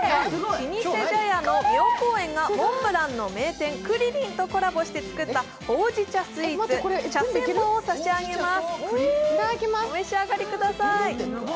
老舗茶屋の妙香園のモンブランの名店、栗りんとコラボして作ったほうじ茶スイーツ、茶千本を差し上げます